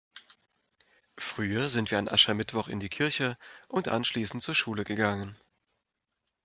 Früher sind wir an Aschermittwoch in die Kirche und anschließend zur Schule gegangen.